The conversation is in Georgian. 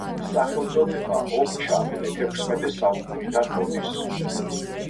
სახელწოდება ობჩა მეთექვსმეტე საუკუნიდან მოდის.